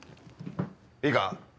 いいか？